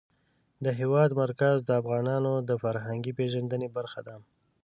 د هېواد مرکز د افغانانو د فرهنګي پیژندنې برخه ده.